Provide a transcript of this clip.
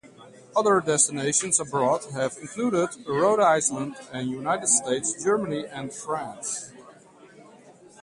Other destinations abroad have included Rhode Island in the United States, Germany, and France.